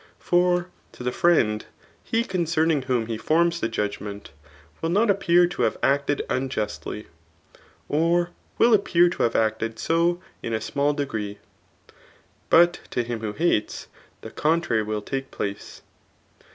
For to the friend, he concerning whom he forms the judgment, will not appear to have acted unjustly, or will appear to have acted so in a small degree ; but to him who hates, the contrary will take place.